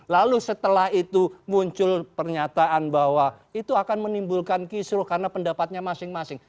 lalu setelah itu muncul pernyataan bahwa itu akan menimbulkan kisruh karena pendapatnya masing masing